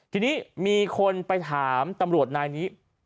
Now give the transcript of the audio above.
ทีนี้มีคนไปถามตำรวจนายนี้